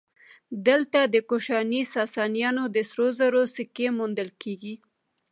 دلته د کوشاني ساسانیانو د سرو زرو سکې موندل کېږي